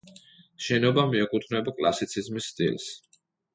შენობა მიეკუთვნება კლასიციზმის სტილს.